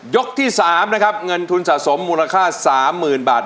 ยกที่สามนะครับเงินทุนสะสมมูลค่าสามหมื่นบาท